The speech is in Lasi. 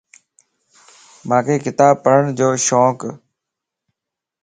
مانک ڪتاب پڙھڻ جو شونڪ